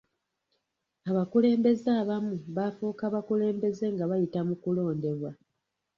Abakulembeze abamu bafuuka bakulembeze nga bayita mu kulondebwa.